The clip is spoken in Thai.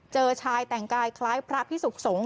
เจอชายแต่งกายคล้ายพระพิสุขสงฆ